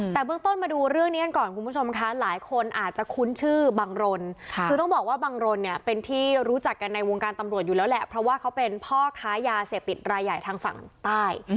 แต่เบื้องต้นมาดูเรื่องนี้กันก่อนคุณผู้ชมคะหลายคนอาจจะคุ้นชื่อบังรนคือต้องบอกว่าบังรนเนี่ยเป็นที่รู้จักกันในวงการตำรวจอยู่แล้วแหละเพราะว่าเขาเป็นพ่อค้ายาเสพติดรายใหญ่ทางฝั่งใต้